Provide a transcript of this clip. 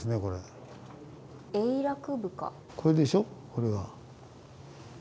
これでしょこれは。